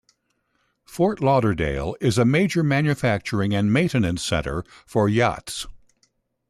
Fort Lauderdale is a major manufacturing and maintenance center for yachts.